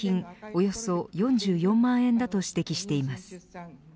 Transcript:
およそ４４万円だと指摘しています。